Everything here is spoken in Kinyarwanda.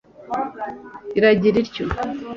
irangira ityo